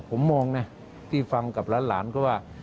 ผมมองนะที่ฟังกับหลานก็ว่า